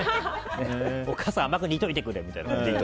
お母さん、甘く煮ておいてくれみたいなね。